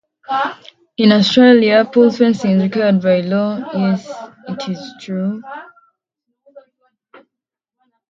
In Australia, pool fencing is required by law.